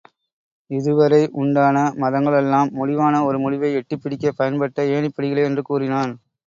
இதுவரை உண்டான மதங்களெல்லாம், முடிவான ஒரு முடிவை எட்டிப் பிடிக்கப் பயன்பட்ட ஏணிப்படிகளே என்று கூறினான்.